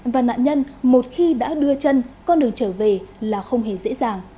và nạn nhân một khi đã đưa chân con đường trở về là không hề dễ dàng